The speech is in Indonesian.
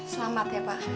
selamat ya pak